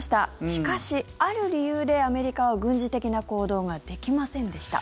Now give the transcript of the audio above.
しかし、ある理由でアメリカは軍事的な行動ができませんでした。